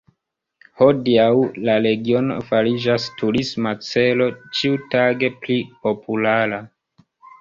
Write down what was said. Hodiaŭ la regiono fariĝas turisma celo ĉiutage pli populara.